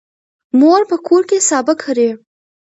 مور په کور کې سابه کري.